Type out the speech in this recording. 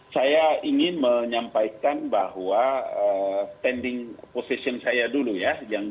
saya ingin menyampaikan bahwa standing position saya dulu ya